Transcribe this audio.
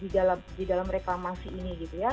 di dalam reklamasi ini gitu ya